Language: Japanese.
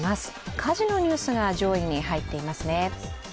火事のニュースが上位に入ってますね。